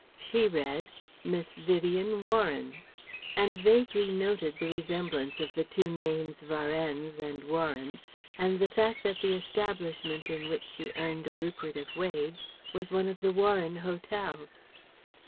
She read: Miss Vivien Warren and vaguely noted the resemblance of the two names Varennes and Warren, and the fact that the establishment in which she earned a lucrative wage was one of the "Warren" Hotels.